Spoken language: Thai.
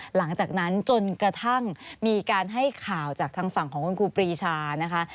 หลังจากนั้นจนกระทั่งมีการให้ข่าวจากทางฝั่งของคุณครูปรีชานะคะ